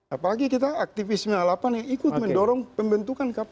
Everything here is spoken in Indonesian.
apalagi kita aktivisme alapan yang ikut mendorong pembentukan kpk